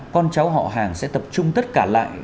con cháu họ hàng sẽ tập trung tất cả lại